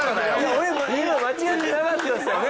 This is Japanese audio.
俺今間違ってなかったですよね？